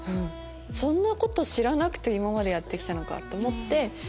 そんなこと知らなくて今までやって来たのかと思って。